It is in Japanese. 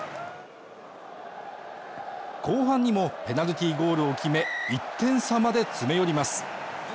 後半にもペナルティーゴールを決め１点差まで詰め寄ります